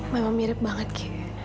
memang mirip banget g